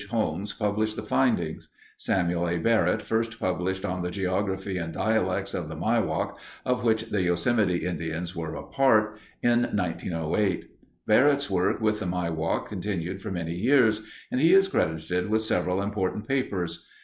Holmes published the findings. Samuel A. Barrett first published on the geography and dialects of the Miwok (of which the Yosemite Indians were a part) in 1908. Barrett's work with the Miwok continued for many years, and he is credited with several important papers.